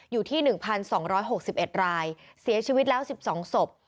อยู่ที่๑๒๖๑รายเสียชีวิตแล้ว๑๒ศพ